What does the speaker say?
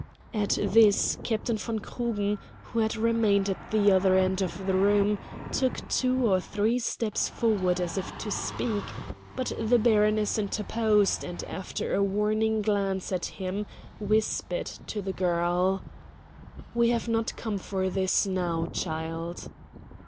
At this Captain von Krugen, who had remained at the other end of the room, took two or three steps forward as if to speak; but the baroness interposed, and after a warning glance at him whispered to the girl: "We have not come for this now, child."